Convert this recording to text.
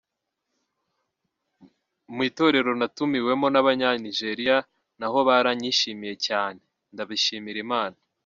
Mu itorero natumiwemo n’abanya Nigeria naho baranyishimiye cyaneeeee, ndabishimira Imana.